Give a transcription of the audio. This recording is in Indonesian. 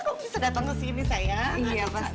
kok bisa datang kesini sayang